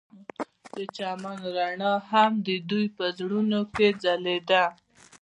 د چمن رڼا هم د دوی په زړونو کې ځلېده.